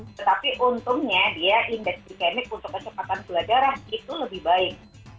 tetapi untungnya dia indeks glikemik untuk kecepatan gula darah itu lebih baik